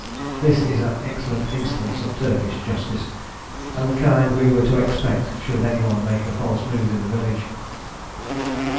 This is an excellent instance of Turkish justice, and the kind we were to expect should any one make a false move in the village.